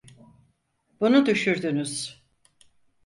Bunu düşürdünüz.